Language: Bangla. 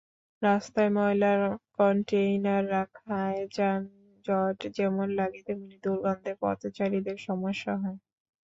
রাস্তায় ময়লার কনটেইনার রাখায় যানজট যেমন লাগে, তেমনি দুর্গন্ধে পথচারীদের সমস্যা হয়।